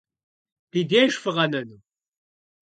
Ди деж фыкъэнэну?